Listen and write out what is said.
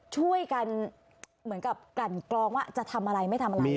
ช่วยกันเหมือนกับกลั่นกรองว่าจะทำอะไรไม่ทำอะไร